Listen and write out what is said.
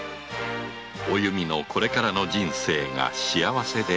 お弓のこれからの人生が幸せであることを